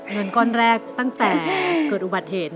เงินก้อนแรกตั้งแต่เกิดอุบัติเหตุ